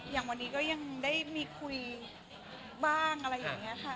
อย่างวันนี้ก็ยังได้มีคุยบ้างอะไรอย่างนี้ค่ะ